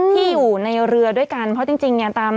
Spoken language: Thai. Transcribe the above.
ที่อยู่ในเรือด้วยกันเพราะจริงเนี่ยตาม